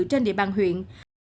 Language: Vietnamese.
trên địa bàn huyện